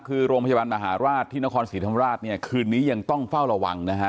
คือโรงพยาบาลมหาราชที่นครศรีธรรมราชเนี่ยคืนนี้ยังต้องเฝ้าระวังนะฮะ